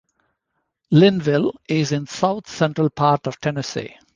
Lynnville is in the south-central part of Tennessee.